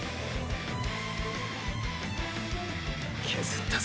削ったぜ。